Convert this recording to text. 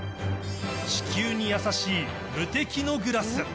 地球に優しい無敵のグラス。